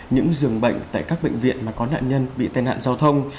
những giường bệnh tại các bệnh viện mà có nạn nhân bị tai nạn giao thông